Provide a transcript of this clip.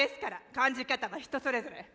感じ方は人それぞれ。